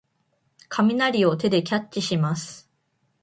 雷を手でキャッチします。